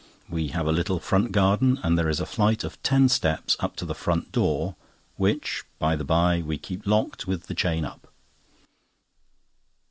We have a little front garden; and there is a flight of ten steps up to the front door, which, by the by, we keep locked with the chain up.